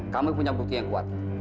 kami punya bukti yang kuat